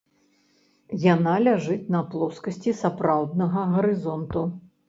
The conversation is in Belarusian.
Яна ляжыць на плоскасці сапраўднага гарызонту.